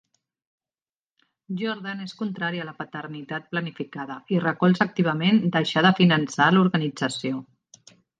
Jordan es contrari a la Paternitat Planificada i recolza activament deixar de finançar l'organització.